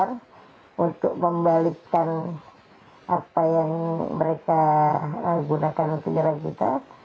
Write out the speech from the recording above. kita akan membalikkan apa yang mereka gunakan untuk nyerang kita